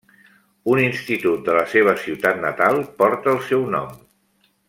Un institut de la seva ciutat natal porta el seu nom.